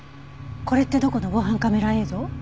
これってどこの防犯カメラ映像？